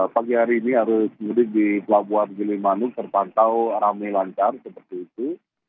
pagi hari ini arus mudik di pelabuhan gilimanuk terpantau rame lancar seperti itu